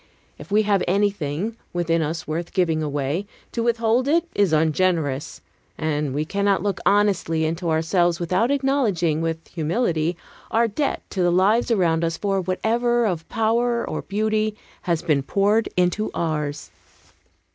If we have anything, within us worth giving away, to withhold it is ungenerous; and we cannot look honestly into ourselves without acknowledging with humility our debt to the lives around us for whatever of power or beauty has been poured into ours.